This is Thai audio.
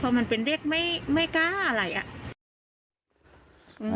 เพราะมันเป็นเด็กไม่กล้าอะไรอ่ะ